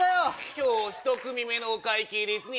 今日１組目のお会計ですね